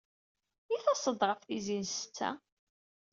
I taseḍ-d ɣef tizi n ssetta?